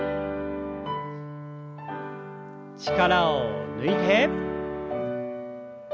力を抜いて。